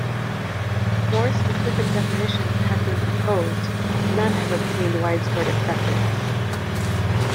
More specific definitions have been proposed; none have obtained widespread acceptance.